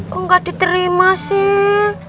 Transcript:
kok gak diterima sih